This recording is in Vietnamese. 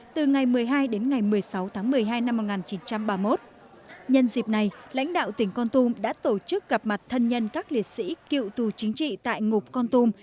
từ ngày một mươi hai đến ngày một mươi sáu tháng một mươi hai năm một nghìn chín trăm ba mươi một nhân dịp này lãnh đạo tỉnh con tum đã tổ chức gặp mặt thân nhân các liệt sĩ cựu tù chính trị tại ngục con tum